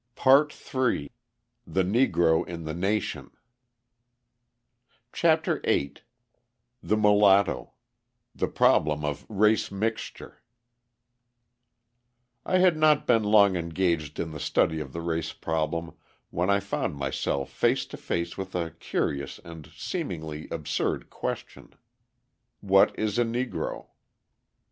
PART THREE THE NEGRO IN THE NATION CHAPTER VIII THE MULATTO: THE PROBLEM OF RACE MIXTURE I had not been long engaged in the study of the race problem when I found myself face to face with a curious and seemingly absurd question: "What is a Negro?"